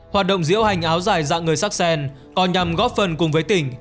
hoạt động diễu hành áo dài dạng người sắc sen còn nhằm góp phần cùng với tỉnh